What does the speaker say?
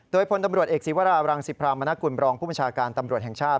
โดยพลตำรวจเอกศิวราบรังสิพรามนกุลบรองผู้บัญชาการตำรวจแห่งชาติ